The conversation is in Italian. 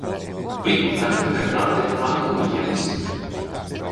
Qui nacque il cantante Hank Williams.